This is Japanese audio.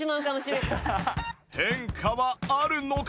変化はあるのか？